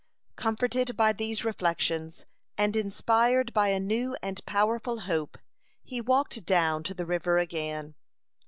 Comforted by these reflections, and inspired by a new and powerful hope, he walked down to the river again.